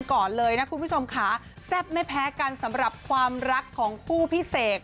ก่อนเลยนะคุณผู้ชมค่ะแซ่บไม่แพ้กันสำหรับความรักของคู่พี่เสก